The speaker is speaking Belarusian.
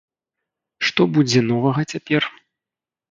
Што будзе новага цяпер?